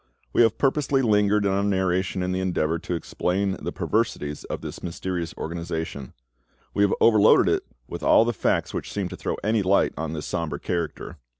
We have purposely lingered in our narration in the endeavour to explain the perversities of this mysterious organisation; we have over loaded it with all the facts which seem to throw any light upon this sombre character.